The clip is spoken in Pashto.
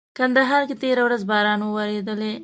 کندهار کي تيره ورځ باران ووريدلي.